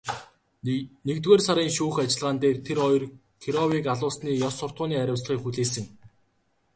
Нэгдүгээр сарын шүүх ажиллагаан дээр тэр хоёр Кировыг алуулсны ёс суртахууны хариуцлагыг хүлээсэн.